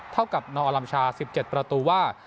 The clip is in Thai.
เท่ากับนอลัมชา๑๗ประตูว่า